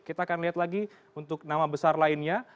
kita akan lihat lagi untuk nama besar lainnya